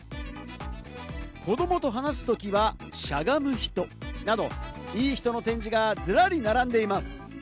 子どもと話すときはしゃがむ人など、いい人の展示がズラリ並んでいます。